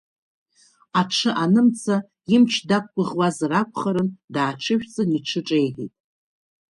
Аҽы анымца, имч дақәгәыӷуазар акәхарын, дааҽыжәҵын, иҽы ҿеиҳәеит.